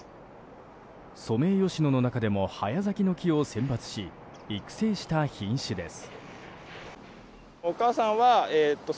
ソメイヨシノの中でも早咲きの木を選別し育成した品種です。